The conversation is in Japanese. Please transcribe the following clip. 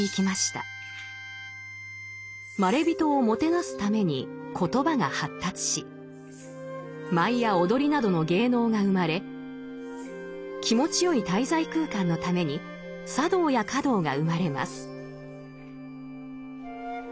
まれびとをもてなすために言葉が発達し舞や踊りなどの芸能が生まれ気持ちよい滞在空間のために茶道や華道が生まれます。